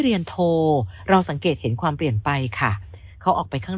เรียนโทรเราสังเกตเห็นความเปลี่ยนไปค่ะเขาออกไปข้าง